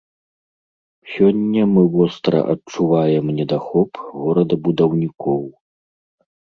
Сёння мы востра адчуваем недахоп горадабудаўнікоў.